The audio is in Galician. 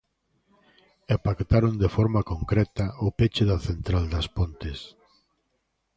E pactaron de forma concreta o peche da central das Pontes.